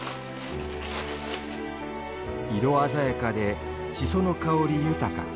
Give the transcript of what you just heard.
色鮮やかで、しその香り豊か。